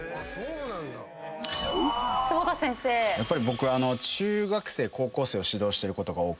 僕中学生高校生を指導してることが多くて。